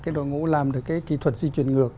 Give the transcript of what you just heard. cái đội ngũ làm được cái kỹ thuật di chuyển ngược